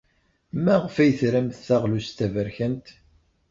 Maɣef ay tramt taɣlust taberkant?